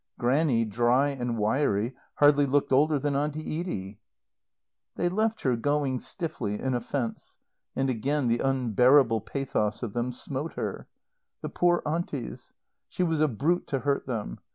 Grannie, dry and wiry, hardly looked older than Auntie Edie. They left her, going stiffly, in offence. And again the unbearable pathos of them smote her. The poor Aunties. She was a brute to hurt them.